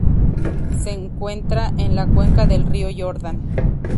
Se encuentra en la cuenca del río Jordán.